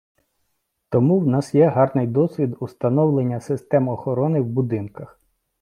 Тому в нас є гарний досвід установлення систем охорони в будинках.